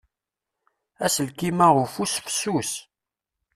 Aselkim-a ufus fessus.